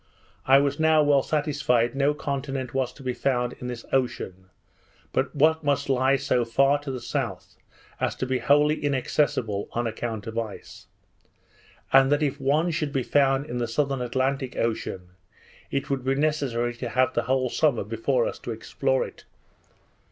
I was now well satisfied no continent was to be found in this ocean, but what must lie so far to the south, as to be wholly inaccessible on account of ice; and that if one should be found in the southern Atlantic Ocean, it would be necessary to have the whole summer before us to explore it.